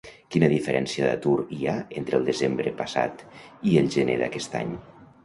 Quina diferència d'atur hi ha entre el desembre passat i el gener d'aquest any?